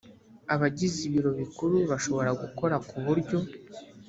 abagize ibiro bikuru bashobora gukora ku buryo